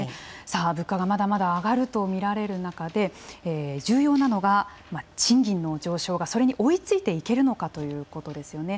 さあ物価がまだまだ上がると見られる中で重要なのが賃金の上昇がそれに追いついていけるのかということですよね。